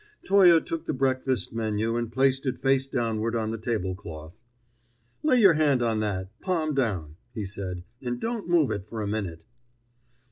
Toye took the breakfast menu and placed it face downward on the tablecloth. "Lay your hand on that, palm down," he said, "and don't move it for a minute."